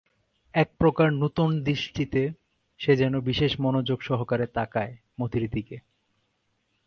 একপ্রকার নূতন দৃষ্টিতে সে যেন বিশেষ মনোযোগ সহকারে তাকায় মতির দিকে।